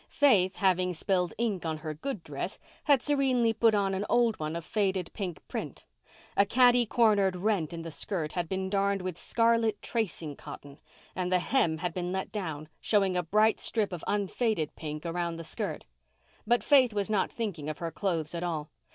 Faith, having spilled ink on her good dress, had serenely put on an old one of faded pink print. A caticornered rent in the skirt had been darned with scarlet tracing cotton and the hem had been let down, showing a bright strip of unfaded pink around the skirt. But Faith was not thinking of her clothes at all.